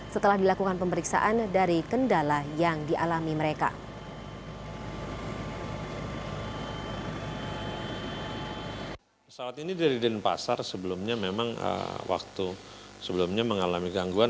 setelah dilakukan pemeriksaan dari kendala yang dialami mereka